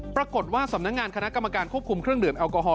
สำนักงานคณะกรรมการควบคุมเครื่องดื่มแอลกอฮอล